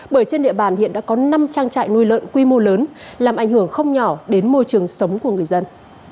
bởi trên địa bàn hiện đã có năm trang trại nuôi lợn quy mô lớn làm ảnh hưởng không nhỏ đến môi trường sống của người dân